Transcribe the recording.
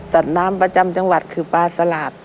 สัตว์น้ำประจำจังหวัดคือปลาสลาด